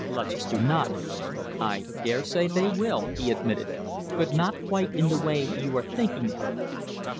Lutchester nodded. "I dare say they will," he admitted, "but not quite in the way you are thinking of."